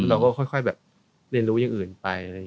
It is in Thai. เราก็ค่อยแบบเรียนรู้อย่างอื่นไป